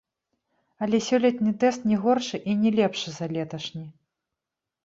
Але сёлетні тэст не горшы і не лепшы за леташні!